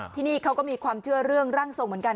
ที่นี่เขาก็มีความเชื่อเรื่องร่างทรงเหมือนกัน